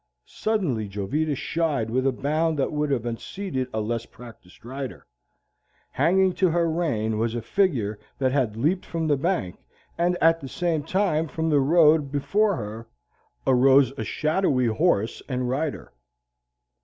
Suddenly Jovita shied with a bound that would have unseated a less practised rider. Hanging to her rein was a figure that had leaped from the bank, and at the same time from the road before her arose a shadowy horse and rider.